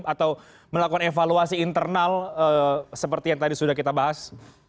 atau melakukan evaluasi internal seperti yang tadi sudah kita bahas